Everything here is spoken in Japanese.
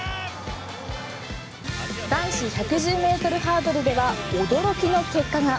男子１１０ｍハードルでは驚きの結果が。